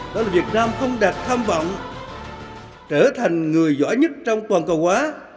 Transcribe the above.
đó là việt nam không đạt tham vọng trở thành người giỏi nhất trong toàn cầu hóa